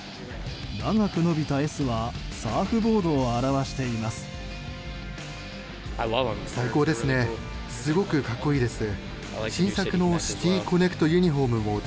長く伸びた「Ｓ」はサーフボードを表しています。